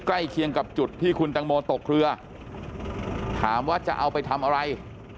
ใกล้เคียงกับจุดที่คุณตังโมตกเรือถามว่าจะเอาไปทำอะไร